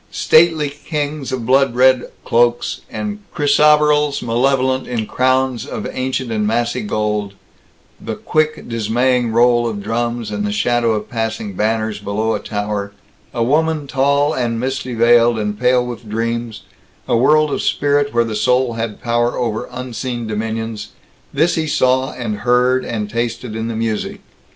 Stately kings of blood red cloaks and chrysoberyls malevolent in crowns of ancient and massy gold the quick dismaying roll of drums and the shadow of passing banners below a tower a woman tall and misty veiled and pale with dreams a world of spirit where the soul had power over unseen dominions this he saw and heard and tasted in the music.